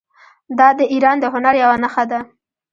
دا د ایران د هنر یوه نښه ده.